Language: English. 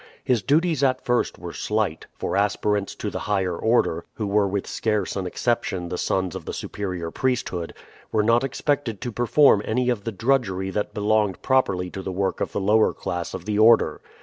His duties at first were slight; for aspirants to the higher order, who were with scarce an exception the sons of the superior priesthood, were not expected to perform any of the drudgery that belonged properly to the work of the lower class of the order.